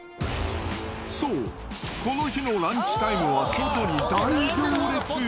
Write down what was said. そう、この日のランチタイムは外に大行列。